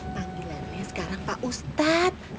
panggilannya sekarang pak ustadz